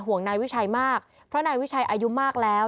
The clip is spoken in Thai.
ห่วงนายวิชัยมากเพราะนายวิชัยอายุมากแล้ว